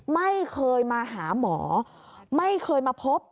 ไม่เคยมาหาหมอไม่เคยมาพบ